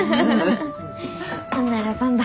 ほんならばんば。